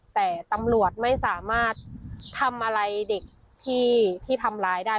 แต่ตำรวจไม่สามารถทำอะไรเด็กที่ทำร้ายได้